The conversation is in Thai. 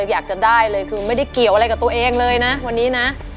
อยากจะได้เลยคือไม่ได้เกี่ยวอะไรกับตัวเองเลยนะวันนี้นะ